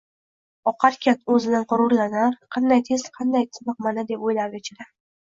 Oqarkan, oʻzidan gʻururlanar, qanday tez, qanday tiniqman-a, deb oʻylardi ichida